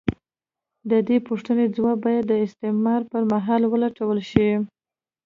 د دې پوښتنې ځواب باید د استعمار پر مهال ولټول شي.